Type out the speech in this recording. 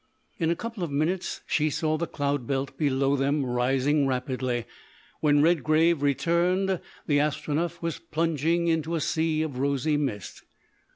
In a couple of minutes she saw the cloud belt below them rising rapidly. When Redgrave returned the Astronef was plunging into a sea of rosy mist.